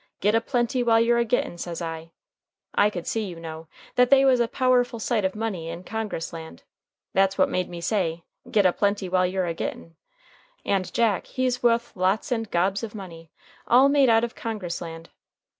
"'Git a plenty while you're a gittin' says I. I could see, you know, they was a powerful sight of money in Congress land. That's what made me say, 'Git a plenty while you're a gittin'.' And Jack, he's wuth lots and gobs of money, all made out of Congress land.